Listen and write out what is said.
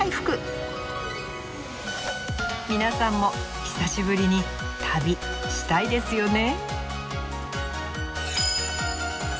皆さんも久しぶりに旅したいですよね？